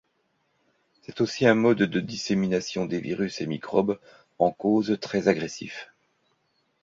C'est aussi un mode de dissémination des virus et microbes en cause très agressif.